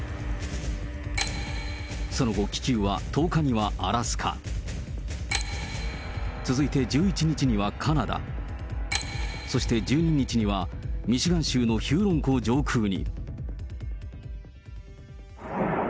その後、気球は１０日にはアラスカ、続いて１１日にはカナダ、そして１２日にはミシガン州のヒューロン湖上空に。